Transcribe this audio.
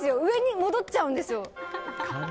上に戻っちゃうんですよ。